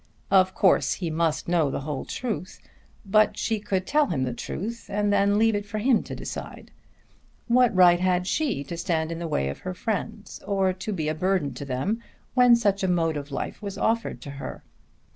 Of course he must know the whole truth; but she could tell him the truth and then leave it for him to decide. What right had she to stand in the way of her friends, or to be a burden to them when such a mode of life was offered to her?